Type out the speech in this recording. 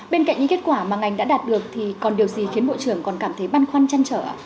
bên cạnh những kết quả mà ngành đã đạt được thì còn điều gì khiến bộ trưởng còn cảm thấy băn khoăn chăn trở